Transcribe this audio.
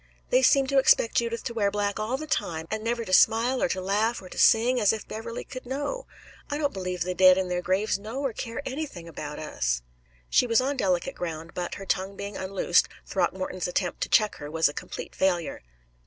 They seem to expect Judith to wear black all the time, and never to smile or to laugh or to sing, as if Beverley could know. I don't believe the dead in their graves know or care anything about us." She was on delicate ground, but, her tongue being unloosed, Throckmorton's attempt to check her was a complete failure.